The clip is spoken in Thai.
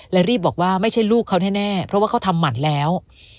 และรีบบอกว่าไม่ใช่ลูกเขาแน่เพราะว่าเขาทำหมั่นแล้ว